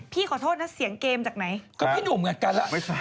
พักผ่อนยังไงครับ